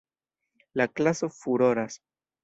La klaso furoras.